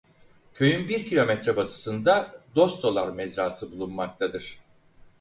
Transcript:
Köyün bir kilometre batısında Dostolar mezrası bulunmaktadır.